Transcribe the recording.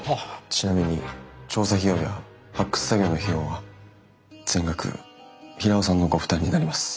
ちなみに調査費用や発掘作業の費用は全額平尾さんのご負担になります。